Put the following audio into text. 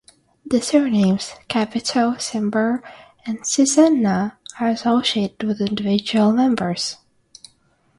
The surnames "Capito, Cimber", and "Sisenna" are associated with individual members.